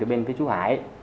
bên phía chú hải